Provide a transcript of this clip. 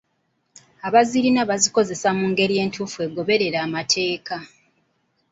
Abazirina bazikozese mu ngeri entuufu egoberera amateeka.